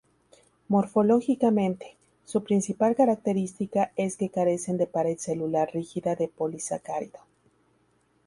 Morfológicamente, su principal característica es que carecen de pared celular rígida de polisacárido.